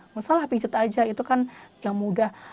masalah pijat aja itu kan yang mudah